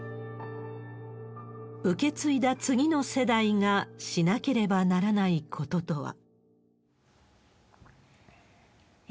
受け継いだ次の世代がしなければならないこととは。